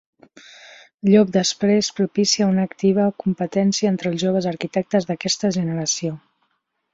Llop després, propícia una activa competència entre els joves arquitectes d'aquesta generació.